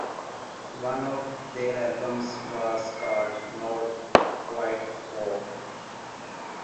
One of their albums was called "Not Quite Folk".